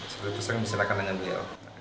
jadi sebetulnya bisa dilakukan dengan beliau